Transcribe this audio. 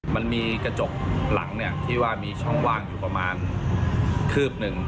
มันมีกระจกหลังที่ว่ามีช่องว่างอยู่ประมาณคืบหนึ่ง